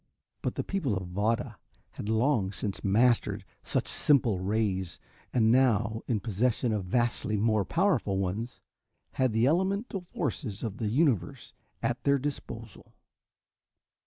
But the people of Vada had long since mastered such simple rays, and now, in possession of vastly more powerful ones, had the elemental forces of the universe at their disposal.